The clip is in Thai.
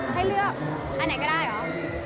ให้เลือกอ๋ออยู่